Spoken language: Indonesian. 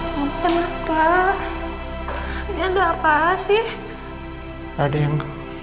mungkin apa ini ada apa sih ada yang